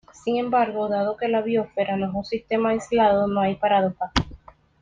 Sin embargo, dado que la biosfera no es un sistema aislado, no hay paradoja.